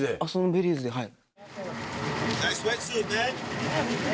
ベリーズではい。